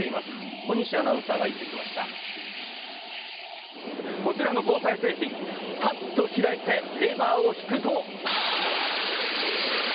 小西アナウンサーが行ってきましこちらの防災製品、ぱっと開いてレバーを引くと。